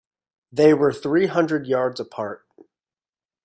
They were three hundred yards apart.